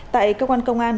tại cơ quan công an